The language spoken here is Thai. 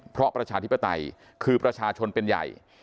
เพราะประชาธิปไตยคือประชาชนเป็นใหญ่